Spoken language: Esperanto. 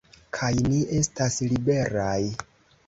Kaj ni estas liberaj!